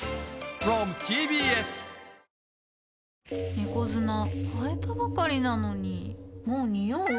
猫砂替えたばかりなのにもうニオう？